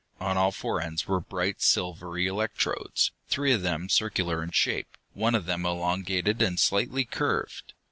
On all four ends were bright silvery electrodes, three of them circular in shape, one of them elongated and slightly curved.